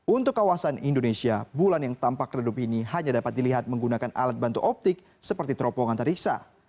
untuk kawasan indonesia bulan yang tampak redup ini hanya dapat dilihat menggunakan alat bantu optik seperti teropong antariksa